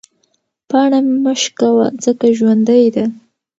پاڼه مه شکوه ځکه ژوندۍ ده.